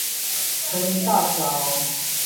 城林大橋